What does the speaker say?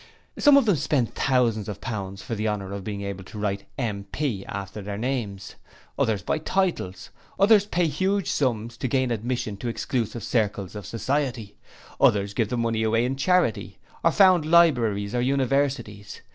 Some of them spend thousands of pounds for the honour of being able to write "MP" after their names. Others buy titles. Others pay huge sums to gain admission to exclusive circles of society. Others give the money away in charity, or found libraries or universities.